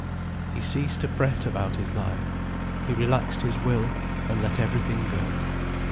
He ceased to fret about his life. He relaxed his will, and let everything go.